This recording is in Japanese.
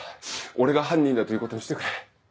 俺が犯人だということにしてくれ。